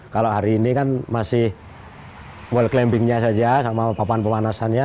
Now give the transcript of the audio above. kalau hari ini kan masih wall climbingnya saja sama papan pemanasannya